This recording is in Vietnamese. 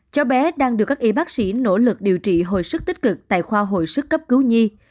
cháu bé đang được các y bác sĩ nỗ lực điều trị hồi sức tích cực tại khoa hồi sức cấp cứu nhi